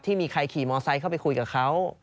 ที่มีใครขี่มอไซค์เข้าไปคุยกับเขา